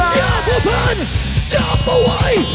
จิตยากภัณฑ์จำมาไว้